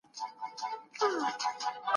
بټ نه، د الفت لکه نينه هسې په تېښته یې